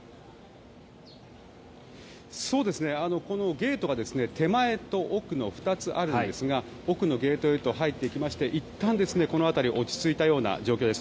このゲートが手前と奥の２つあるんですが奥のゲートへと入っていきましていったんこの辺り落ち着いたような状況です。